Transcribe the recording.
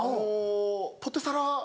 ポテサラを。